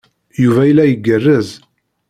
Yuba yella igerrez.